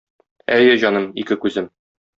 Әй, җаным, ике күзем.